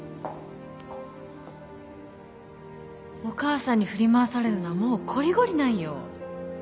お母さんに振り回されるのはもうこりごりなんよ。